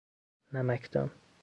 نمکدان